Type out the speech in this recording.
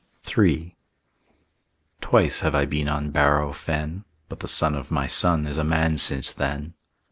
III Twice have I been on Bareau Fen, But the son of my son is a man since then.